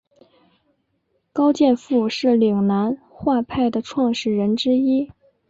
高剑父是岭南画派的创始人之一。